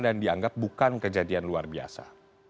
dan dianggap bukan kejadian luar biasa